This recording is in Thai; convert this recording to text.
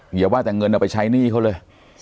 อย่าว่าแต่เงินเอาไปใช้หนี้เขาเลย